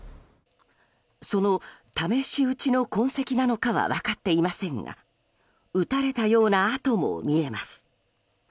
その試し撃ちの痕跡なのかは分かっていませんが撃たれたような跡も見えます。